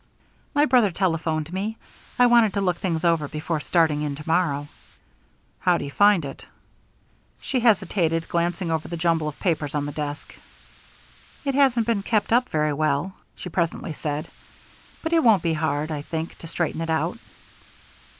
"My brother telephoned to me. I wanted to look things over before starting in to morrow." "How do you find it?" She hesitated, glancing over the jumble of papers on the desk. "It hasn't been kept up very well," she presently said. "But it won't be hard, I think, to straighten it out."